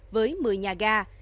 với một mươi nhà ga